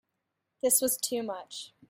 This was too much.